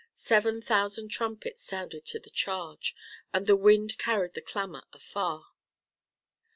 Seven thousand trumpets sounded to the charge, and the wind carried the clamor afar.